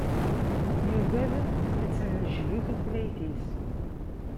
Yuggad ad tennejlu tutlayt-is.